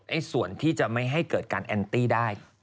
ส่วนที่จะไม่ให้เกิดการแอนตี้ได้